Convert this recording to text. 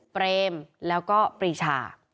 เปรมแล้วก็ปรีชา